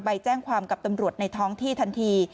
ไปแจ้งความกับตำรวจในท้องที่ทันที